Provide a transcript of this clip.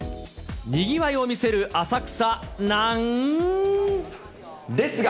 にぎわいを見せる浅草なん。ですが。